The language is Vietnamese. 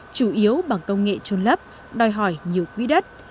chủ yếu bằng công nghệ trôn lấp đòi hỏi nhiều quỹ đất